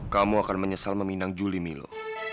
kamu akan menyesal meminang juli milo